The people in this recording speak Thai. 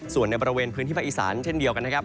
ส่วนในบริเวณพื้นที่ภาคอีสานเช่นเดียวกันนะครับ